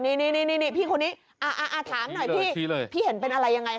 นี่พี่คนนี้ถามหน่อยพี่พี่เห็นเป็นอะไรยังไง